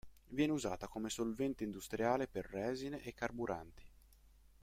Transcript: Viene usata come solvente industriale per resine e carburanti.